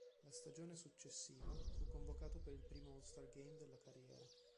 La stagione successiva fu convocato per il primo All-Star Game della carriera.